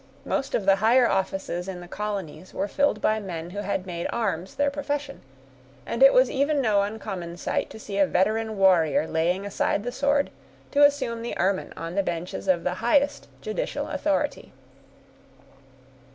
Most of the higher offices in the colonies were filled by men who had made arms their profession; and it was even no uncommon sight to see a veteran warrior laying aside the sword to assume the ermine on the benches of the highest judicial authority.